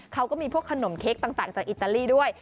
เขาก็มีพวกขนมเค้กต่างจากอิตาลีด้วย